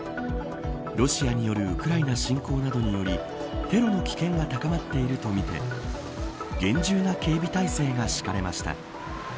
ロシアによるウクライナ侵攻などによりテロの危険が高まっているとみて厳重な警備態勢が敷かれました。